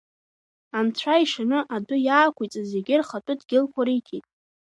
Анцәа ишаны адәы иаақәиҵаз зегьы рхатәы дгьылқәа риҭеит.